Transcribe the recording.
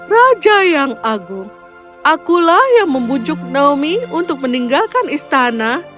raja yang agung akulah yang membujuk naomi untuk meninggalkan istana